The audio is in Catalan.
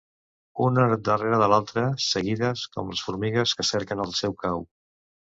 Una darrere de l'altra, seguides, com les formigues que cerquen el seu cau...